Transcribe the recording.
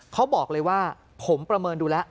เขาบอกเลยว่าผมประเมินดูแล้ว